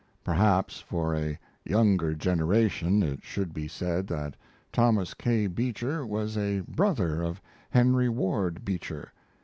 [Perhaps for a younger generation it should be said that Thomas K. Beecher was a brother of Henry Ward Beecher.